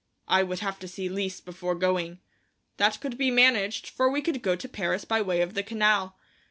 I would have to see Lise before going. That could be managed, for we could go to Paris by way of the canal.